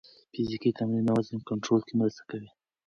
فزیکي تمرین د وزن کنټرول کې مرسته کوي.